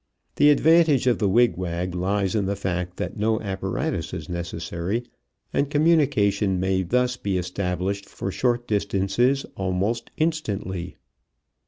The advantage of the wig wag lies in the fact that no apparatus is necessary and communication may thus be established for short distances almost instantly.